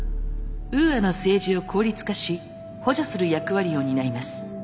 ウーアの政治を効率化し補助する役割を担います。